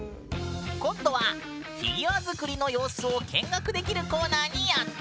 今度はフィギュア作りの様子を見学できるコーナーにやって来た。